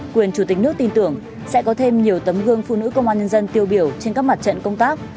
quyền chủ tịch nước tin tưởng sẽ có thêm nhiều tấm gương phụ nữ công an nhân dân tiêu biểu trên các mặt trận công tác